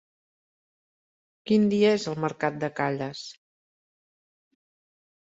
Quin dia és el mercat de Calles?